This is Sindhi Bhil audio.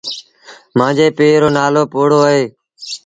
مآݩجي پي رو نآلو پوهوڙو اهي۔